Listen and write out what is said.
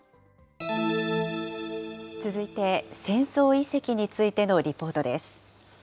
続いて、戦争遺跡についてのリポートです。